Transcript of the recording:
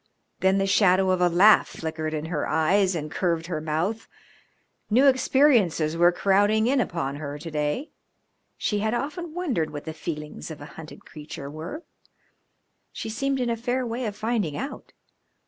Then the shadow of a laugh flickered in her eyes and curved her mouth. New experiences were crowding in upon her to day. She had often wondered what the feelings of a hunted creature were. She seemed in a fair way of finding out.